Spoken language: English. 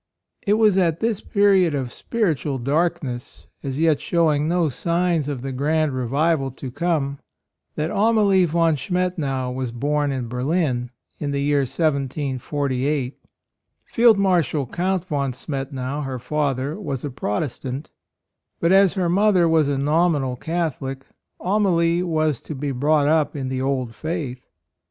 It was at this period of spirit ual darkness, as yet showing no signs of the grand revival to come, that Amalie von Schmet tau was born in Berlin, in the year 1748. Field Marshal Count von Schmettau, her father, was a Protestant; but, as her mother was a nominal Catholic, Amalie was to be brought up in the old faith.